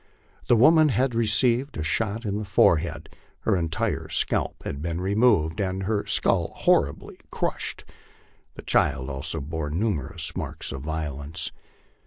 The woman had received a shot in the forehead, her entire scalp had been removed, and her skull horribly crushed. The child also bore numerous marks of violence."